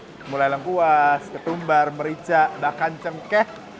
jadi mulai lengkuas ketumbar merica bahkan cemkeh